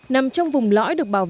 nằm trong vùng lõi được phát triển